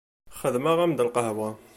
Xedmeɣ-am-d lqahwa.